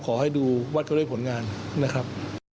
ขอให้ดูวัดเขาด้วยผลงานนะครับ